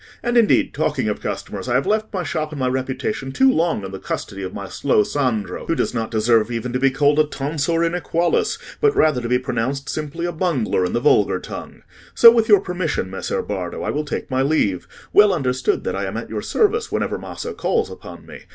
And, indeed, talking of customers, I have left my shop and my reputation too long in the custody of my slow Sandro, who does not deserve even to be called a tonsor inequalis, but rather to be pronounced simply a bungler in the vulgar tongue. So with your permission, Messer Bardo, I will take my leave—well understood that I am at your service whenever Maso calls upon me.